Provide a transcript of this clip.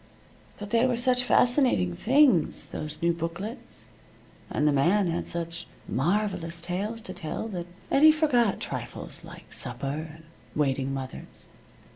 But they were such fascinating things, those new booklets, and the man had such marvelous tales to tell, that Eddie forgot trifles like supper and waiting mothers.